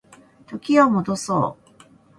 時を戻そう